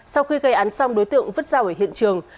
sau khi gây án xong đối tượng vứt rao ở hiện trường